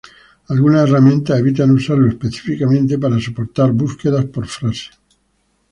Algunas herramientas evitan usarlo específicamente para soportar búsquedas por frase.